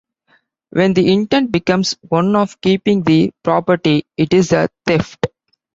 When the intent becomes one of keeping the property, it is a theft.